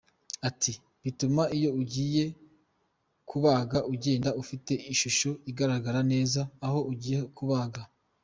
Ati “Bituma iyo ugiye kubaga ugenda ufite ishusho igaragara neza aho ugiye kubaga.